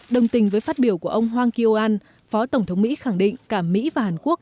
đồng tình với phát biểu của ông hwang kyo an phó tổng thống mỹ khẳng định cả mỹ và hàn quốc